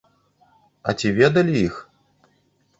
А ці ведалі іх?